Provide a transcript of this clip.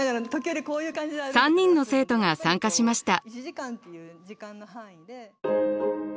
３人の生徒が参加しました。